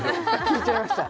聞いちゃいました